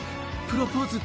プロポーズ